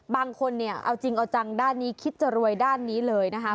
บางคนเนี่ยเอาจริงเอาจังด้านนี้คิดจะรวยด้านนี้เลยนะคะ